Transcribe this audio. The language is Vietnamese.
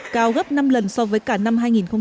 cao gấp năm lần so với cả năm hai nghìn một mươi